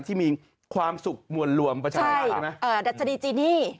ที่มีความสุขมวนรวมประชานะใช่ดัชนีจีนี่